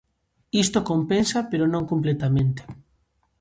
Isto compensa, pero non completamente.